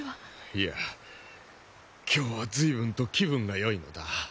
いや今日は随分と気分がよいのだ。